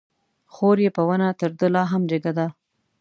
خور يې په ونه تر ده لا هم جګه ده